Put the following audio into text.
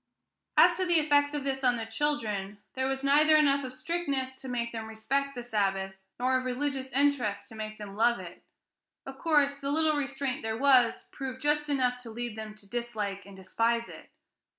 As to the effects of this on the children, there was neither enough of strictness to make them respect the Sabbath, nor of religious interest to make them love it; of course, the little restraint there was proved just enough to lead them to dislike and despise it.